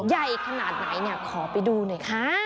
ใหญ่ขนาดไหนเนี่ยขอไปดูหน่อยค่ะ